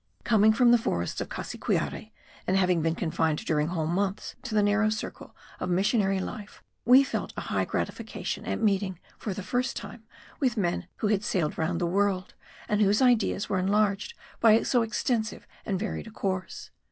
Coming from the forests of Cassiquiare, and having been confined during whole months to the narrow circle of missionary life, we felt a high gratification at meeting for the first time with men who had sailed round the world, and whose ideas were enlarged by so extensive and varied a course.